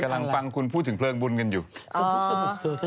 กำลังฟังคุณพูดถึงเพลิงบุญกันอยู่